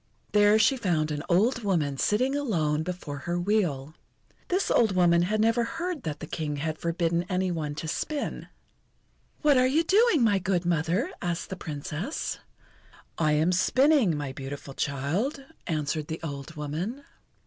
There she found an old woman sitting alone before her wheel. This old woman had never heard that the King had forbidden any one to spin. "What are you doing, my good mother?" asked the Princess. "I am spinning, my beautiful child," answered the old woman.